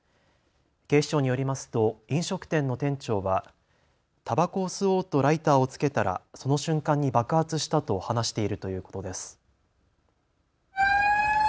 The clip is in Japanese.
警視庁によりますと飲食店の店長はたばこを吸おうとライターをつけたらその瞬間に爆発したと話しているということです。